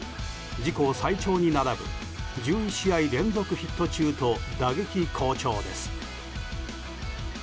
自己最長に並ぶ１２試合連続のヒット中と打撃好調です。